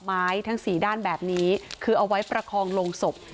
ทั้งสี่ด้านแบบนี้คือเอาไว้ประคองลงศพ